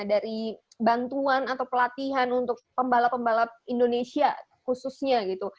dari bantuan atau pelatihan untuk pembalap pembalap indonesia khususnya gitu